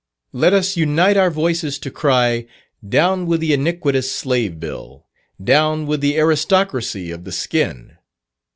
Let us unite our voices to cry, Down with the iniquitous Slave Bill! Down with the aristocracy of the skin!